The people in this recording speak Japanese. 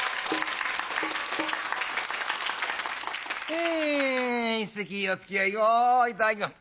え一席おつきあいを頂きます。